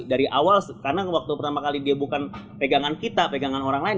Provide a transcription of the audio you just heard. dari awal karena waktu pertama kali dia bukan pegangan kita pegangan orang lain